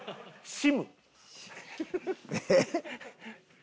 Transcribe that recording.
シム？